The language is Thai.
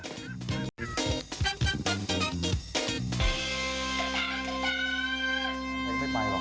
เฮ้ยอะไรเหรอครับ